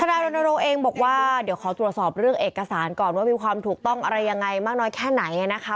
นายรณรงค์เองบอกว่าเดี๋ยวขอตรวจสอบเรื่องเอกสารก่อนว่ามีความถูกต้องอะไรยังไงมากน้อยแค่ไหนนะคะ